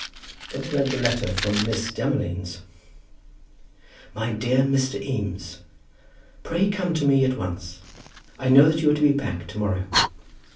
Then he read the letter from Miss Demolines. MY DEAR MR. EAMES, Pray come to me at once. I know that you are to be back to morrow.